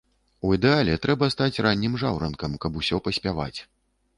У ідэале трэба стаць раннім жаўранкам, каб усё паспяваць.